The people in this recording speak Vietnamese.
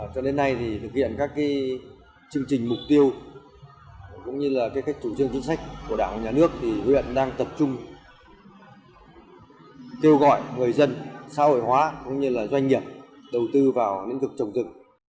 cho đến nay thì thực hiện các chương trình mục tiêu cũng như là các chủ trương chính sách của đảng nhà nước thì huyện đang tập trung kêu gọi người dân xã hội hóa cũng như là doanh nghiệp đầu tư vào lĩnh vực trồng rừng